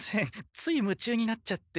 ついむちゅうになっちゃって。